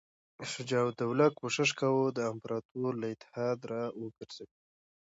شجاع الدوله کوښښ کاوه امپراطور له اتحاد را وګرځوي.